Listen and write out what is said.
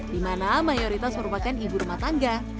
di mana mayoritas merupakan ibu rumah tangga